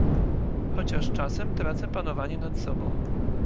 chociaż czasem tracę panowanie nad sobą.